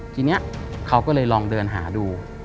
ทีนี้เขาก็เลยลองเดินหาดู